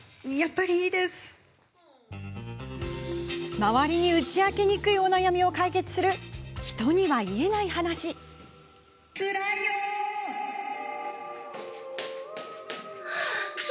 周りに打ち明けにくいお悩みを解決する「人には言えないハナシ」。